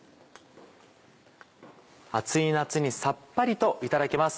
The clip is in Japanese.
暑い夏にさっぱりといただけます。